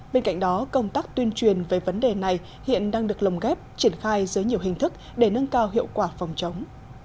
bên cạnh đó công tác tuyên truyền về vấn đề này hiện đang được lồng ghép triển khai dưới nhiều hình thức để nâng cao hiệu quả phòng chống